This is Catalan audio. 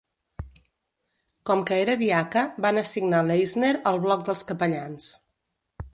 Com que era diaca, van assignar Leisner al bloc dels capellans.